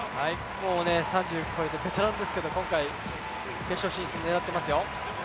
もう３５歳のベテランですけど、今回、決勝進出狙っていますよ。